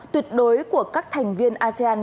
tuyệt đối của các thành viên asean